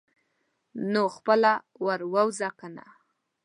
نو خپله ور ووځه کنه.